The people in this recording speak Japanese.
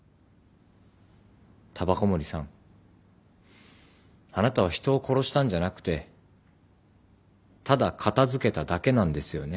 煙草森さんあなたは人を殺したんじゃなくてただ片付けただけなんですよね？